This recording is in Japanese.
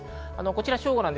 こちら正午。